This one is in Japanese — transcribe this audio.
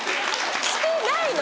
してないの！